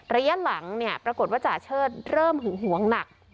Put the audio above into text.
ระยะหลังเนี่ยปรากฏว่าจ่าเชิดเริ่มหึงหวงหนัก